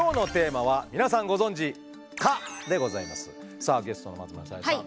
さあゲストの松村沙友理さん